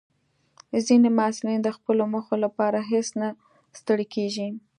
ځینې محصلین د خپلو موخو لپاره هیڅ نه ستړي کېږي.